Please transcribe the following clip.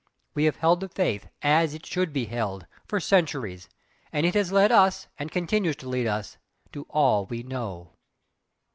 We have held the faith, AS IT SHOULD BE HELD, for centuries, and it has led us, and continues to lead us, to all we know."